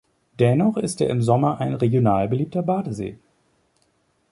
Dennoch ist er im Sommer ein regional beliebter Badesee.